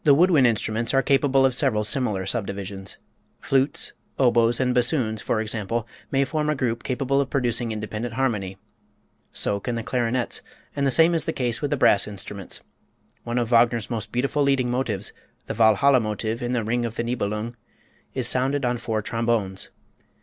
[Music illustration] The woodwind instruments are capable of several similar subdivisions. Flutes, oboes and bassoons, for example, may form a group capable of producing independent harmony, so can the clarinets, and the same is the case with the brass instruments. One of Wagner's most beautiful leading motives, the Walhalla Motive in the "Ring of the Nibelung," is sounded on four trombones.